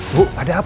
bu ada apa bu